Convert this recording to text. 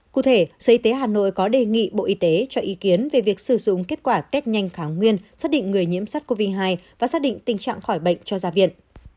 cụ thể sự y tế hà nội có đề nghị bộ y tế cho ý kiến về việc sử dụng kết quả test nhanh kháng nguyên xác định người nhiễm sát covid một mươi chín và xác định tình trạng khỏi bệnh cho gia viện